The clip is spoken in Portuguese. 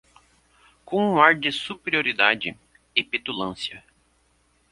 Com um ar de superioridade e petulância